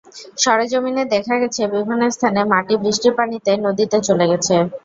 সরেজমিনে দেখা গেছে, বিভিন্ন স্থানে মাটি বৃষ্টির পানিতে নদীতে চলে গেছে।